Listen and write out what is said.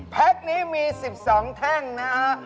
แพ็คนี้มี๑๒แท่งนะฮะ